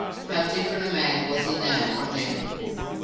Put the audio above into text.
How different a man was he now from then!